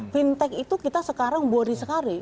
fintech itu kita sekarang body sekali